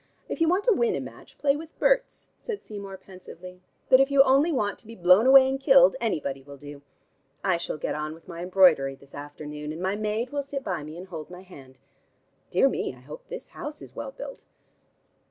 "If you want to win a match, play with Berts," said Seymour pensively. "But if you only want to be blown away and killed, anybody will do. I shall get on with my embroidery this afternoon, and my maid will sit by me and hold my hand. Dear me, I hope the house is well built."